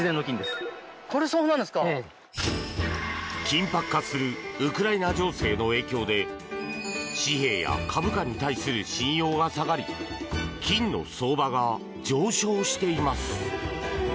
緊迫化するウクライナ情勢の影響で紙幣や株価に対する信用が下がり金の相場が上昇しています。